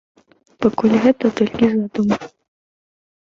Пакуль гэта толькі задума.